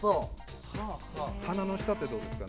鼻の下ってどうですか？